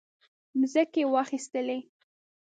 مځکې واخیستلې.